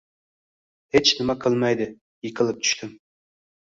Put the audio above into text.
Hech nima qilmaydi, yiqilib tushdim.